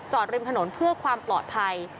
ริมถนนเพื่อความปลอดภัย